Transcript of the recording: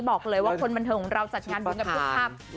บอกเลยว่าคนบรรเทิงของเราจัดงานดูกับผู้ทัพ